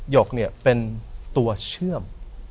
ยกเนี่ยเป็นตัวเชื่อม